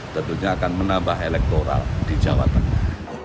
tentunya akan menambah elektoral di jawa tengah